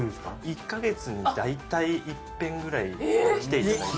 １カ月に大体いっぺんぐらい来ていただいて。